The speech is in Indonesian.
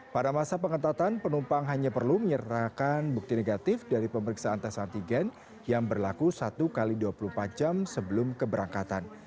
pada masa pengetatan penumpang hanya perlu menyerahkan bukti negatif dari pemeriksaan tes antigen yang berlaku satu x dua puluh empat jam sebelum keberangkatan